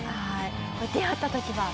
出会った時は？